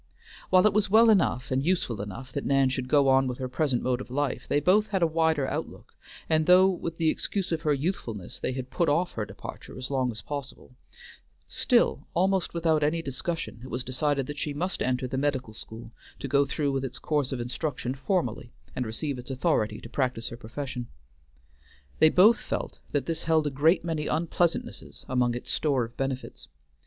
While it was well enough and useful enough that Nan should go on with her present mode of life, they both had a wider outlook, and though with the excuse of her youthfulness they had put off her departure as long as possible, still almost without any discussion it was decided that she must enter the medical school to go through with its course of instruction formally, and receive its authority to practice her profession. They both felt that this held a great many unpleasantnesses among its store of benefits.